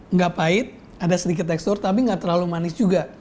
nggak pahit ada sedikit tekstur tapi nggak terlalu manis juga